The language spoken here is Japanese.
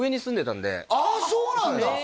ああそうなんだ